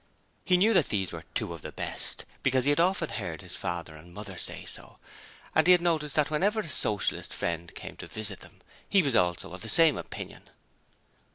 He knew that these were 'two of the best' because he had often heard his father and mother say so, and he had noticed that whenever a Socialist friend came to visit them, he was also of the same opinion.